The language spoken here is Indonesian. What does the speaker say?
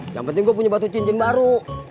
yang penting gue punya batu cincin baru